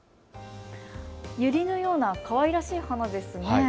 ユリのようなかわいらしい花ですね。